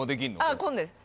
あこんなです